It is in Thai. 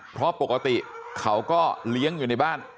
เพราะปกติเขาก็เลี้ยงอยู่ในบ้าน